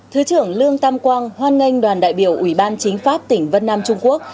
thứ trưởng lương tam quang hoan nghênh đoàn đại biểu ủy ban chính pháp tỉnh vân nam trung quốc